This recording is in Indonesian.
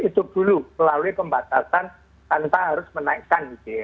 itu dulu melalui pembatasan tanpa harus menaikkan gitu ya